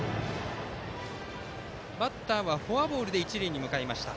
バッターはフォアボールで一塁に向かいました。